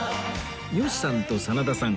吉さんと真田さん